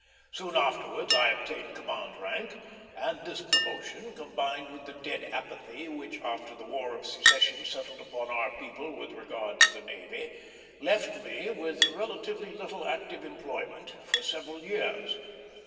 Soon afterwards I obtained command rank; and this promotion, combined with the dead apathy which after the War of Secession settled upon our people with regard to the navy, left me with relatively little active employment for several years.